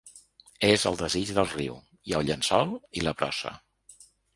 És el desig del riu, i el llençol, i la brossa.